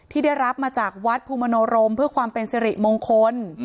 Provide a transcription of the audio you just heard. ที่ได้รับมาจากวัดภูมิโนรมเพื่อความเป็นสิริมงคล